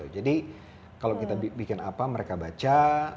jadi kalau kita bikin apa mereka baca